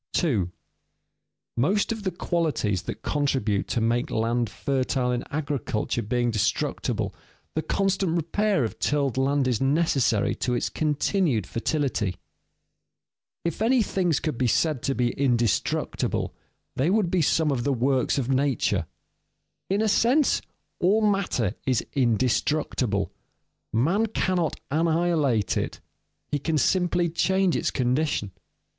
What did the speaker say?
[Sidenote: The fertile lands of large regions have lost their usefulness] 2. _Most of the qualities that contribute to make land fertile in agriculture being destructible, the constant repair of tilled land is necessary to its continued fertility._ If any things could be said to be indestructible, they would be some of the works of nature. In a sense, all matter is indestructible. Man cannot annihilate it, he can simply change its condition.